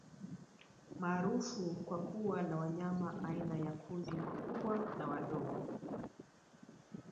Maarufu kwa kuwa na wanyama aina ya Kudu wakubwa na wadogo